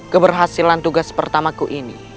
keberhasilan tugas pertamaku ini